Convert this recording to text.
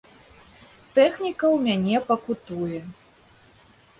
Тэхніка ў мяне пакутуе.